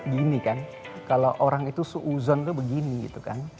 gini kan kalau orang itu suuzon tuh begini gitu kan